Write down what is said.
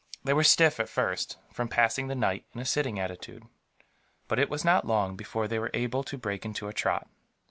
They were stiff, at first, from passing the night in a sitting attitude; but it was not long before they were able to break into a trot.